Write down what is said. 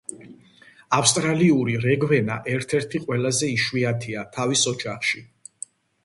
ავსტრალიური რეგვენა ერთ-ერთი ყველაზე იშვიათია თავის ოჯახში.